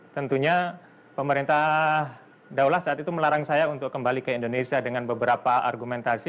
tentunya pemerintah daulah saat itu melarang saya untuk kembali ke indonesia dengan beberapa argumentasi